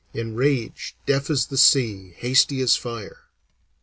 'In rage, deaf as the sea, hasty as fire.'